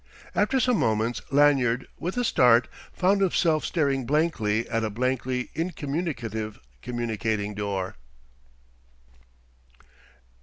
After some moments Lanyard, with a start, found himself staring blankly at a blankly incommunicative communicating door.